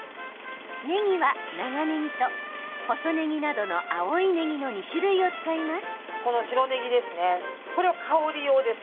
ねぎは、長ねぎと細ねぎなどの青いねぎの２種類を使います。